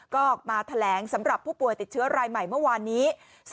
ก็ออกมาแถลงสำหรับผู้ป่วยติดเชื้อรายใหม่เมื่อวานนี้